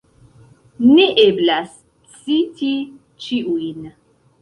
Neeblas citi ĉiujn.